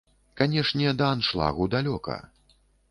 Канечне, да аншлагу далёка.